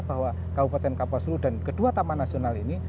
bahwa kabupaten kapuasulu dan kedua taman nasional ini